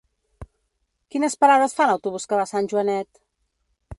Quines parades fa l'autobús que va a Sant Joanet?